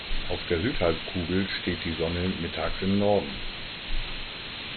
Auf der Südhalbkugel steht die Sonne mittags im Norden.